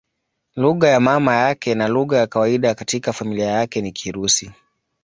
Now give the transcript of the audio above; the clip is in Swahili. Lugha ya mama yake na lugha ya kawaida katika familia yake ni Kirusi.